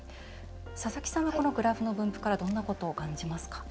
佐々木さんはこのグラフの分布からどんなことを感じますか？